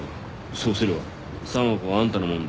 そうすれば３億はあんたのもんだ。